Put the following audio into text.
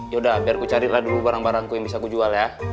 yaudah biar gue cari lah dulu bareng bareng aku yang bisa gue jual ya